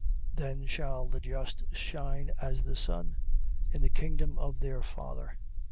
13:43. Then shall the just shine as the sun, in the kingdom of their Father.